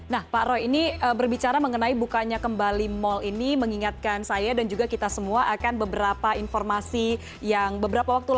nah pak roy ini berbicara mengenai bukanya kembali mal ini mengingatkan saya dan juga kita semua akan beberapa informasi yang beberapa waktu lalu